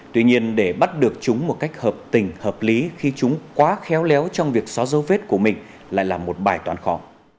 tuy nhiên để bắt được chúng một cách hợp tình hợp lý khi chúng quá khéo léo trong việc xóa dấu vết của mình lại là một bài toán khó